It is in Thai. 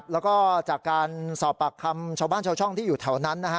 แล้วก็จากการสอบปากคำชาวบ้านชาวช่องที่อยู่แถวนั้นนะฮะ